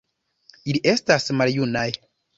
Ili estas maljunaj.